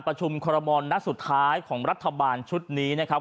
ประชุมคอรมณ์นัดสุดท้ายของรัฐบาลชุดนี้นะครับ